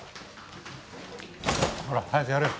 ほら早くやれよ。